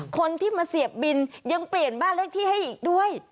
คนที่มาเสียบบินยังเปลี่ยนบ้านเลขที่ให้อีกด้วย